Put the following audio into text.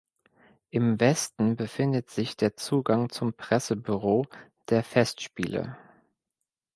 Im Westen befindet sich der Zugang zum Pressebüro der Festspiele.